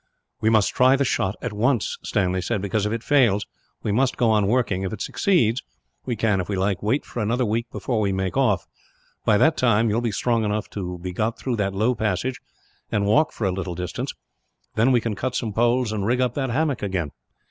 "We must try the shot, at once," Stanley said, "because if it fails, we must go on working. If it succeeds we can, if we like, wait for another week before we make off. By that time you will be strong enough to be got through that low passage, and walk for a little distance; when we can cut some poles, and rig up that hammock again.